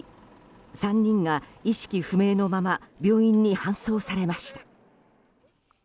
３人が意識不明のまま病院に搬送されました。